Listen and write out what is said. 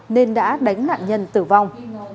nên đã đánh nạn nhân tử vong